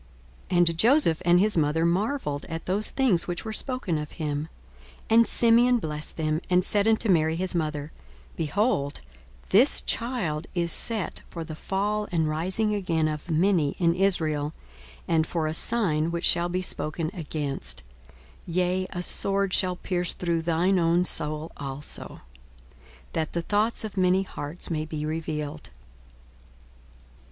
42:002:033 And Joseph and his mother marvelled at those things which were spoken of him. 42:002:034 And Simeon blessed them, and said unto Mary his mother, Behold, this child is set for the fall and rising again of many in Israel; and for a sign which shall be spoken against; 42:002:035 (Yea, a sword shall pierce through thy own soul also,) that the thoughts of many hearts may be revealed.